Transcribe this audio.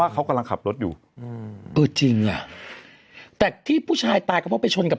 ว่าเขากำลังขับรถอยู่จริงอ่ะแต่ที่ผู้ชายตายก็ไปชนกับ